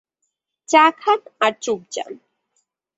চা খান আর চুপ যান।